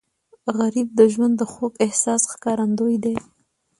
غریب د ژوند د خوږ احساس ښکارندوی دی